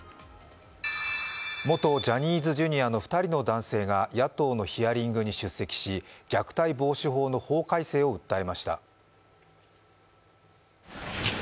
元ジャニーズＪｒ．の２んの男性が野党のヒアリングに出席し、虐待防止法の法改正を訴えました。